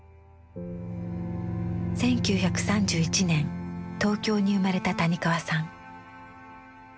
１９３１年東京に生まれた谷川さん。